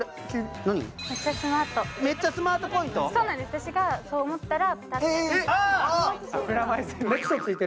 私がそう思ったら。